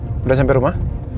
halo jack udah sampe rumah